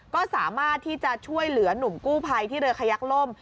ก็สามารถที่จะช่วยเหลือหนุ่มกู้ภัยที่เรือขยักล่ม